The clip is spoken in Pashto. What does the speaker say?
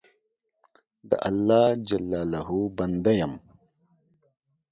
د الله جل جلاله بنده یم.